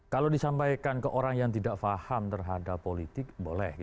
kalau disampaikan ke orang yang tidak paham terhadap politik boleh